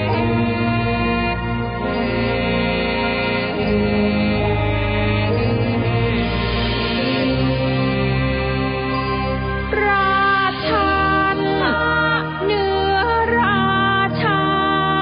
ราชาเหนือราชา